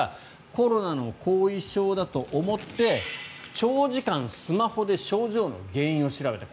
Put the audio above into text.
コロナの後遺症だと思って長時間スマホで症状の原因を調べた